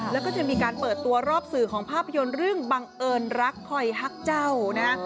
แล้วก็จะมีการเปิดตัวรอบสื่อของภาพยนตร์เรื่องบังเอิญรักคอยฮักเจ้านะฮะ